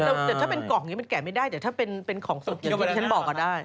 แต่ถ้าเป็นกล่องอย่างนี้มันแกะไม่ได้เดี๋ยวถ้าเป็นของสดอย่างนี้ฉันบอกก็ได้